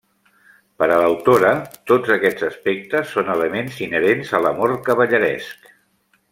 Per a l'autora, tots aquests aspectes són elements inherents a l'amor cavalleresc.